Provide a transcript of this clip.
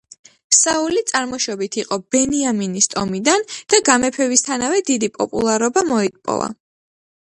საული წარმოშობით იყო ბენიამინის ტომიდან და გამეფებისთანავე დიდი პოპულარობა მოიპოვა.